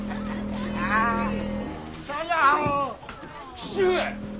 父上！